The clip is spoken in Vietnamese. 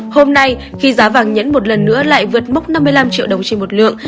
hôm nay khi giá vàng nhẫn một lần nữa lại vượt mốc năm mươi năm triệu đồng trên một lượng